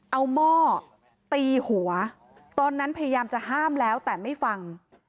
เอาหม้อตีหัวตอนนั้นพยายามจะห้ามแล้วแต่ไม่ฟัง